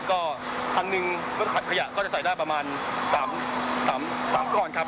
ก็อันหนึ่งก็ขัดขยะก็จะใส่ได้ประมาณ๓ก้อนครับ